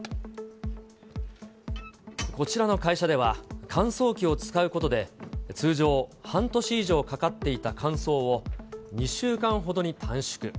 こちらの会社では、乾燥機を使うことで、通常半年以上かかっていた乾燥を、２週間ほどに短縮。